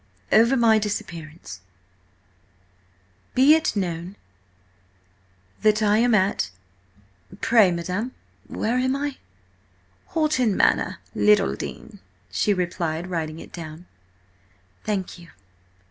. over my disappearance ... be it known ... that I am at'–pray, madam, where am I?" "Horton Manor, Littledean," she replied, writing it down. "Thank you.